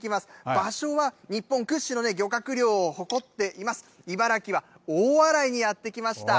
場所は日本屈指のね、漁獲量を誇っています、茨城は大洗にやって来ました。